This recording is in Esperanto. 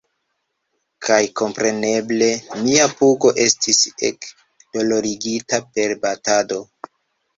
Kaj kompreneble, mia pugo... estis ege dolorigita per batado.